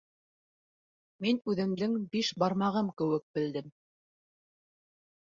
Мин үҙемдең биш бармағым кеүек белдем